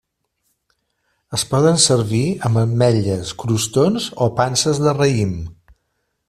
Es poden servir amb ametlles, crostons o panses de raïm.